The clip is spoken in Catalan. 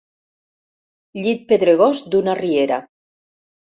Llit pedregós d'una riera.